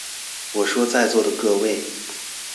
我說在座的各位